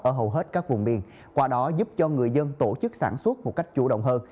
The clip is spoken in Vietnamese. ở hầu hết các vùng biển qua đó giúp cho người dân tổ chức sản xuất một cách chủ động hơn